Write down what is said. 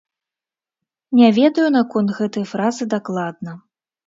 Не ведаю наконт гэтай фразы дакладна.